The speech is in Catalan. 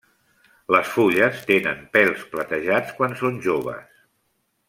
Les fulles tenen pèls platejats quan són joves.